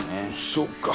そっか。